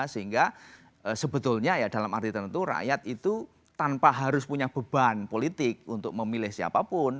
sehingga sebetulnya ya dalam arti tentu rakyat itu tanpa harus punya beban politik untuk memilih siapapun